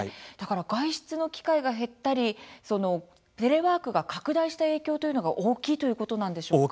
外出の機会が減ったりテレワークが拡大した影響というのが大きいということなんでしょうか。